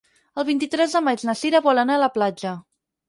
El vint-i-tres de maig na Sira vol anar a la platja.